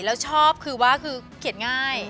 แล้วชอบคือว่าคือเกลียดง่าย